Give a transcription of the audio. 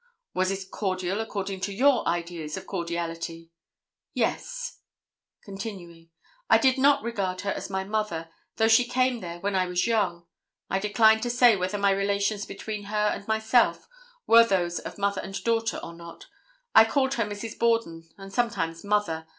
"Was it cordial according to your ideas of cordiality?" "Yes." Continuing: "I did not regard her as my mother, though she came there when I was young. I decline to say whether my relations between her and myself were those of mother and daughter or not. I called her Mrs. Borden and sometimes mother.